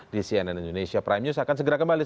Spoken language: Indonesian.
di cnn indonesia prime news akan segera kembali